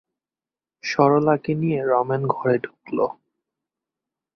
সরলাকে নিয়ে রমেন ঘরে ঢুকল।